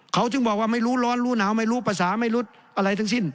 เขาถึงบอกว่าไม่รู้ร้อนรู้หนาวไม่รู้ภาษาไม่รู้อะไรทั้งสิ้น